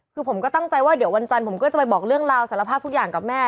คือผมก็ตั้งใจว่าเดี๋ยววันจันทร์ผมก็จะไปบอกเรื่องราวสารภาพทุกอย่างกับแม่